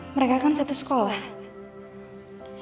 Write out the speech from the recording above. mereka kan satu sekolah